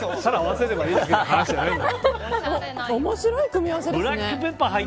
面白い組み合わせですね。